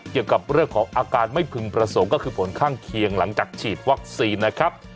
เกี่ยวกับเรื่องของอาการไม่พึงประสงค์ก็คือผลข้างเคียงหลังจากฉีดวัคซีนนะครับ